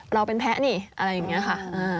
เราเป็นแพ้นี่อะไรอย่างนี้ค่ะ